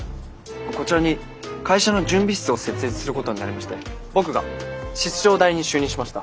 こちらに会社の準備室を設立することになりまして僕が室長代理に就任しました。